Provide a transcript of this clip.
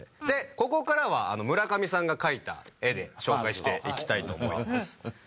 でここからは村上さんが描いた絵で紹介していきたいと思います。